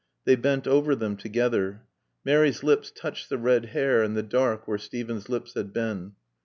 They bent over them together. Mary's lips touched the red hair and the dark where Steven's lips had been.